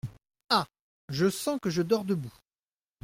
Ah ! je sens que je dors debout !